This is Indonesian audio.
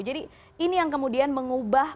jadi ini yang kemudian mengubah